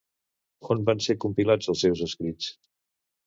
On van ser compilats els seus escrits?